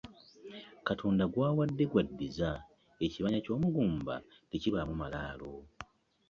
Katonda gw'awadde gw'adizza, ekibanja ky'omugumba tekibaamu malaalo .